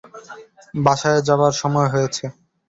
বাসায় যাবার সময় হয়েছে।